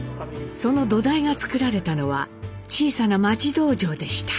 その土台が作られたのは小さな町道場でした。